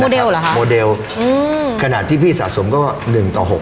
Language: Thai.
โมเดลเหรอคะโมเดลขนาดที่พี่สะสมก็๑ต่อ๖